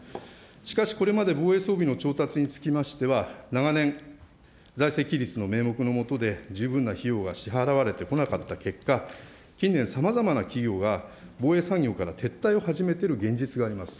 しかし、これまで防衛装備の調達につきましては、長年、財政規律の名目の下で、十分な費用が支払われてこなかった結果、近年、さまざまな企業が防衛産業から撤退を始めている現実があります。